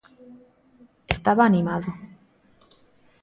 Estaba animado.